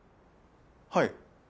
はい。